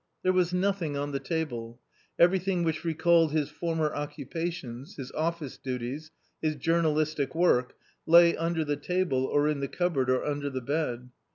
There was nothing on the table. Everything which recalled his former occupations, his office duties, his journalistic work, lay under the table or in the cupboard or under the bed.